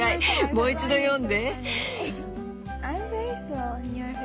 もう一度読んで。